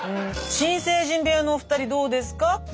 新成人部屋のお二人どうですか？